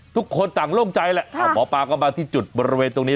ทุกคนต่างโล่งใจแหละหมอปลาก็มาที่จุดบริเวณตรงนี้